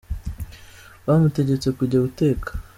bamutegetse kujya guteka